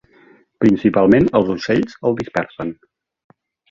Principalment els ocells el dispersen.